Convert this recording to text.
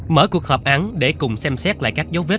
mở cuộc họp án để cùng xem xét lại các dấu vết